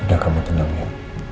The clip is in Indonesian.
udah kamu tenang ya